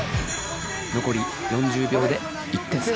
残り４０秒で１点差